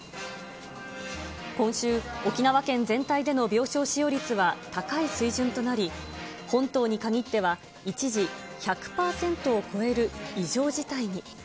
今週、沖縄県全体での病床使用率は高い水準となり、本島に限っては一時１００％を超える異常事態に。